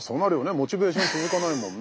モチベーション続かないもんね。